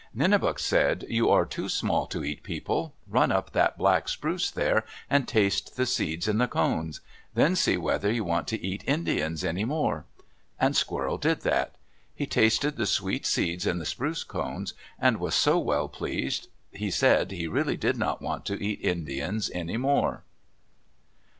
Nenebuc said, "You are too small to eat people. Run up that black spruce there, and taste the seeds in the cones. Then see whether you want to eat Indians any more." And Squirrel did that. He tasted the sweet seeds in the spruce cones and was so well pleased he said he really did not want to eat Indians any more.